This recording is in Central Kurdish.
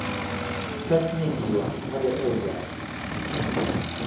کهس نهيديوه مهگهر ئهو جار